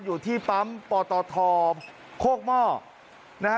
อยู่ที่ปั๊มปตทโคกหม้อนะฮะ